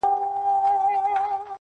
نن دي خیال راته یو ښکلی انعام راوړ,